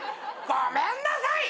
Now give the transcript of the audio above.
ごめんなさい！